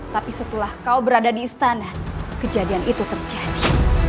tapi setelah kau berada di istana kejadian itu terjadi